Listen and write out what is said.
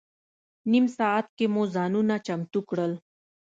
نیم ساعت کې مو ځانونه چمتو کړل.